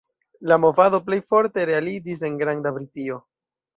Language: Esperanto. La movado plej forte realiĝis en Granda Britio.